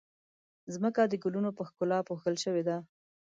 ځمکه د ګلونو په ښکلا پوښل شوې ده.